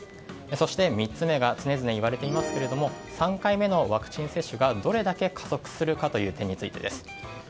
そして、３つ目が常々言われていますが３回目のワクチン接種がどれだけ加速するかという点です。